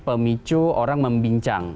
pemicu orang membincang